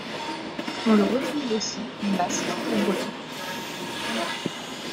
On le retrouve aussi en basque et breton.